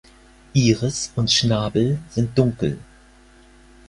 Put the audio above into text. Iris und Schnabel sind dunkel.